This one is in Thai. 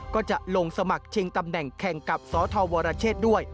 ก็จะลงสมัครชิงตำแหน่งแข่งกับสธวรเชษด้วย